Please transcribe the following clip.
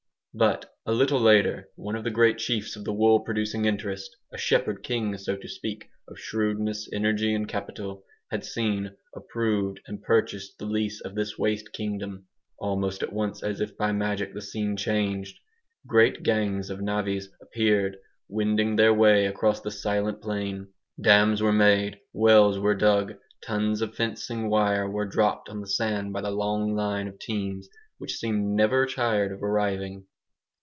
But, a little later, one of the great chiefs of the wool producing interest a shepherd king, so to speak, of shrewdness, energy, and capital had seen, approved and purchased the lease of this waste kingdom. Almost at once, as if by magic, the scene changed. Great gangs of navvies appeared, wending their way across the silent plain. Dams were made, wells were dug. Tons of fencing wire were dropped on the sand by the long line of teams which seemed never tired of arriving.